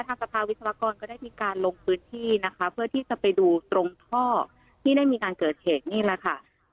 ทางสภาวิศวกรก็ได้มีการลงพื้นที่นะคะเพื่อที่จะไปดูตรงท่อที่ได้มีการเกิดเหตุนี่แหละค่ะ